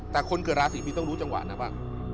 แต่คนเกิดราศีมีนต้องรู้จังหวะนะว่า